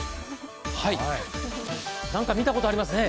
なんか見たことありますね。